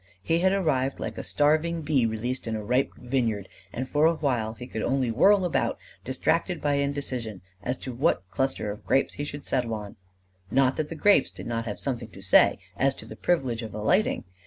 He had arrived like a starving bee released in a ripe vineyard; and for a while he could only whirl about, distracted by indecision as to what cluster of grapes he should settle on: not that the grapes did not have something to say as to the privilege of alighting.